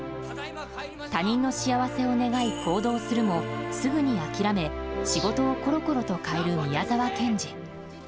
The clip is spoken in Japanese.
他人の幸せを願い行動するもすぐに諦め仕事をコロコロと変える宮沢賢治。